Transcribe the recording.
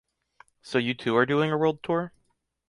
So you too are doing a world tour?